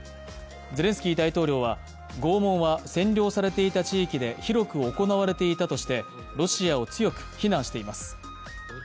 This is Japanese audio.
ゼレンスキー大統領は、拷問は占領されていた地域で広く行われていたとして、ロシアを強く非難しています。